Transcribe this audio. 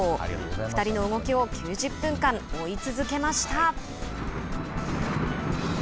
２人の動きを９０分間追い続けました。